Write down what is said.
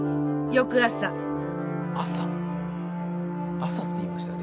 「朝」って言いましたよね？